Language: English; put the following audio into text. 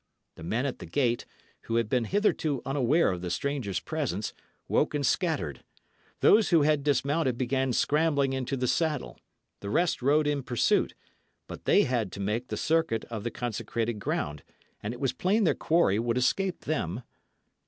The men at the gate, who had been hitherto unaware of the stranger's presence, woke and scattered. Those who had dismounted began scrambling into the saddle; the rest rode in pursuit; but they had to make the circuit of the consecrated ground, and it was plain their quarry would escape them.